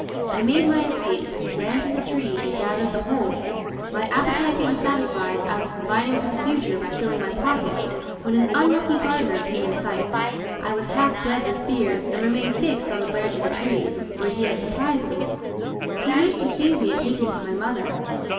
I made my escape, ran to the tree, and gathered the whole. My appetite being satisfied, I was providing for the future by filling my pockets, when an unlucky gardener came in sight. I was half dead with fear, and remained fixed on the branch of the tree, where he had surprised me. He wished to seize me and take me to my mother.